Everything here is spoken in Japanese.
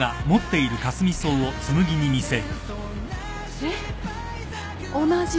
えっ同じ！